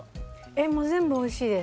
えっもう全部おいしいです。